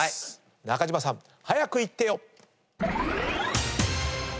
中島さん早くイッてよ！